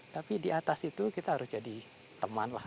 tapi di atas itu kita harus jadi teman lah